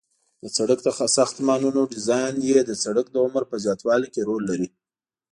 د سرک د ساختمانونو ډیزاین د سرک د عمر په زیاتوالي کې رول لري